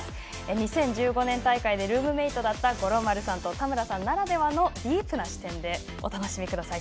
２０１５年大会でルームメートだった五郎丸さんと田村さんならではのディープな視点でお楽しみください。